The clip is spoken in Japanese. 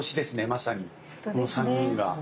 まさにこの３人が。